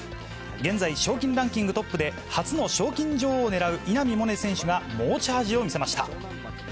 現在、賞金ランキングトップで、初の賞金女王を狙う稲見萌寧選手が猛チャージを見せました。